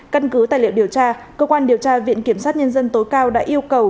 căn cứ tài liệu điều tra cơ quan điều tra viện kiểm sát nhân dân tối cao đã yêu cầu